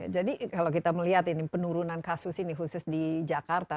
jadi kalau kita melihat ini penurunan kasus ini khusus di jakarta